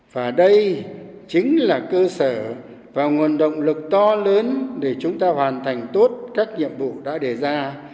và đây chính là cơ sở và nguồn động lực to lớn để chúng ta hoàn thành tốt các nhiệm vụ đã đề ra